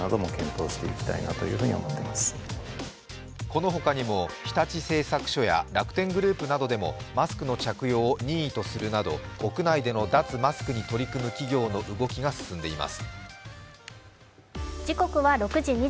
この他にも日立製作所や楽天グループなどでもマスクの着用を任意とするなど屋内での脱マスクに取り組む企業の動きが進んでいます。